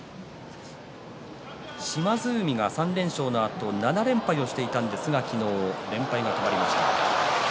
島津海が３連勝のあと７連敗をしていたんですが昨日、連敗が止まりました。